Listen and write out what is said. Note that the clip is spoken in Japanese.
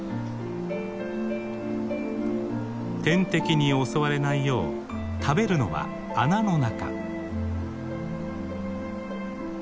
天敵に襲われないよう食べるのは穴の中。